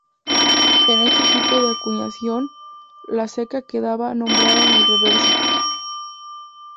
En este tipo de acuñación, la ceca quedaba nombrada en el reverso.